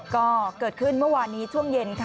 ก็เกิดขึ้นเมื่อวานนี้ช่วงเย็นค่ะ